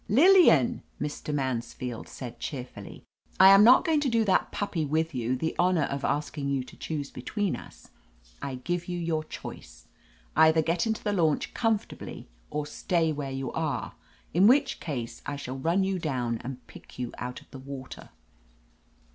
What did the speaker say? "Lillian," Mr. Mansfield said cheerfully, "I am not going to do that puppy with you the honor of asking you to choose between us. I give you your choice— either get into the launch comfortably, or stay where you are — in which case I shall run you down and pick you out of the water."